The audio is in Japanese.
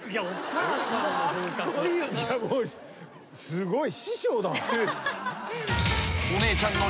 すごい。